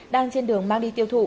đang trên đường mang đi tiêu thụ